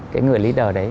cái người leader đấy